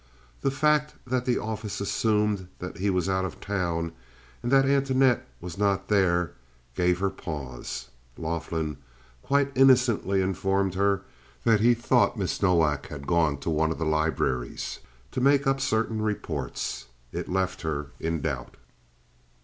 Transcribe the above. The fact that the office assumed that he was out of town and that Antoinette was not there gave her pause. Laughlin quite innocently informed her that he thought Miss Nowak had gone to one of the libraries to make up certain reports. It left her in doubt.